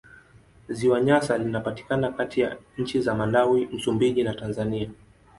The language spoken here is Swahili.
Ziwa Nyasa linapatikana kati ya nchi za Malawi, Msumbiji na Tanzania.